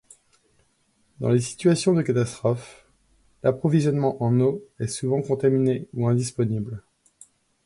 Dans les situations de catastrophe, l'approvisionnement en eau est souvent contaminé ou indisponible.